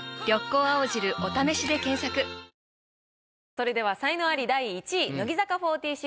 それでは才能アリ第１位乃木坂４６